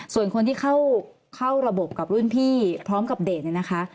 ส่วนคนที่เข้าระบบกับรุ่นพี่พร้อมกับเดทเนี่ยนะคะ